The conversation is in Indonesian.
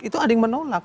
itu ada yang menolak